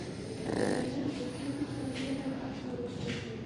د بڼوالۍ د فصلونو تغذیه باید وخت پر وخت وشي.